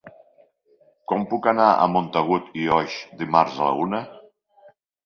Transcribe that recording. Com puc anar a Montagut i Oix dimarts a la una?